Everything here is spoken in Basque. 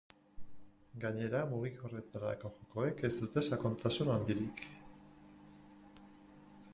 Gainera, mugikorretarako jokoek ez dute sakontasun handirik.